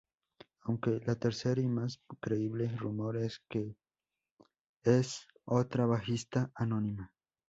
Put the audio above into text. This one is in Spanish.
Aunque la tercer y más creíble rumor es el que es otra bajista anónima.